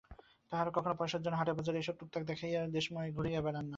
তাঁহারা কখনও পয়সার জন্য হাটে বাজারে এইসব তুকতাক দেখাইয়া দেশময় ঘুরিয়া বেড়ান না।